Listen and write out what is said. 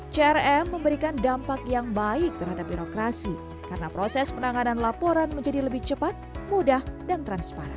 crm memberikan dampak yang baik terhadap birokrasi karena proses penanganan laporan menjadi lebih cepat mudah dan transparan